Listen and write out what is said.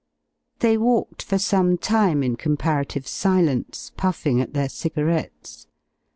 They walked for some time in comparative silence, puffing at their cigarettes.